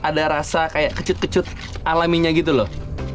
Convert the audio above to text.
ada rasa kayak kecut kecut alaminya gitu loh